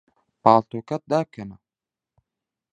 پاڵتۆکەت دابکەنە.